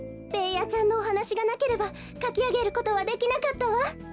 ベーヤちゃんのおはなしがなければかきあげることはできなかったわ。